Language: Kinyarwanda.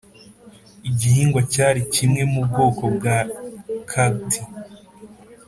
igihingwa cyari kimwe mu bwoko bwa cacti